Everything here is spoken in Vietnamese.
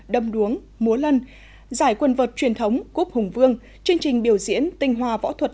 đâm đuống múa lân giải quần vợt truyền thống cúp hùng vương chương trình biểu diễn tinh hoa võ thuật